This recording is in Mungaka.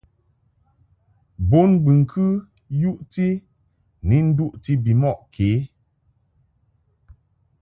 Bonbɨŋkɨ yuʼti ni duʼti bimɔʼ kě.